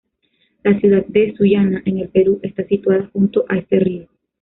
La ciudad de Sullana, en el Perú, está situada junto a este río.